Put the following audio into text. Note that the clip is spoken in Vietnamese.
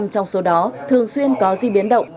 hai mươi năm trong số đó thường xuyên có di biến động